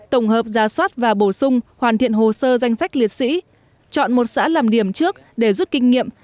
tổng hợp giả soát và bổ sung hoàn thiện hồ sơ danh sách liệt sĩ chọn một xã làm điểm trước để rút kinh nghiệm